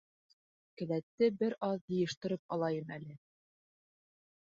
Келәтте бер аҙ йыйыштырып алайым әле.